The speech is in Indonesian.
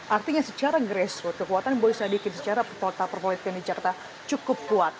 artinya secara gerestrut kekuatan boy sadikin secara perpoletkan di jakarta cukup kuat